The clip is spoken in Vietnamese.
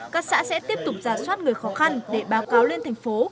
các xã sẽ tiếp tục giả soát người khó khăn để báo cáo lên thành phố